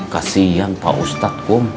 kasian pak ustadz kum